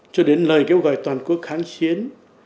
cho đến lời kêu gọi toàn quốc kháng chiến